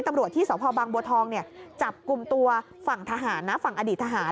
ตำรวจที่สวพาวบางบัวทองจับกลุ่มตัวฝั่งอดีตทหาร